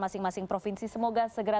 masing masing provinsi semoga segera